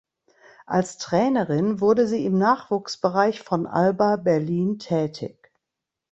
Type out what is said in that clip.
Als Trainerin wurde sie im Nachwuchsbereich von Alba Berlin tätig.